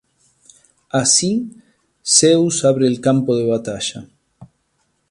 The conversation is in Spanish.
Así, Zeus abre el campo de batalla.